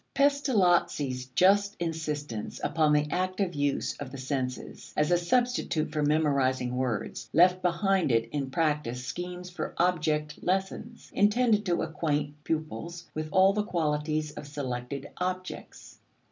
Pestalozzi's just insistence upon the active use of the senses, as a substitute for memorizing words, left behind it in practice schemes for "object lessons" intended to acquaint pupils with all the qualities of selected objects.